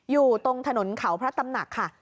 อยู่ตรงถนนเขาพระตำหนักค่ะ